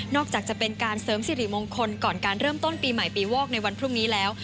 อกจากจะเป็นการเสริมสิริมงคลก่อนการเริ่มต้นปีใหม่ปีวอกในวันพรุ่งนี้แล้ว